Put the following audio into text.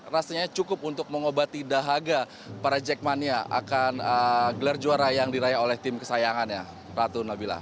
rasanya cukup untuk mengobati dahaga para jackmania akan gelar juara yang diraih oleh tim kesayangannya ratu nabila